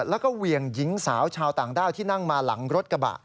แล้วก็เหวี่ยงหญิงสาวชาวต่างด้าวที่นั่งมาหลังรถกระบะ